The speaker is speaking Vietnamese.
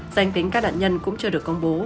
danh tính các nạn nhân cũng chưa được công bố